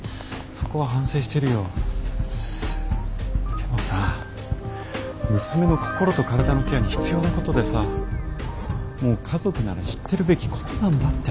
でもさ娘の心と体のケアに必要なことでさもう家族なら知ってるべきことなんだって！